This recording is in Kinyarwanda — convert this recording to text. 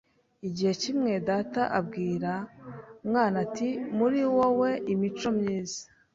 Igihe kimwe Data abwira Mwana ati Muri wowe Imico myiza